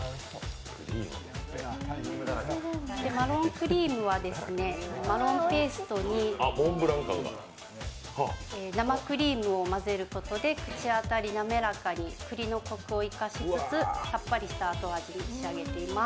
マロンクリームは、マロンペーストに生クリームを混ぜることで口当たり滑らかに、くりのコクを生かしつつさっぱりとした味わいに仕上げています。